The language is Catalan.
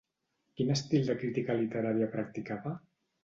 Quin estil de crítica literària practicava?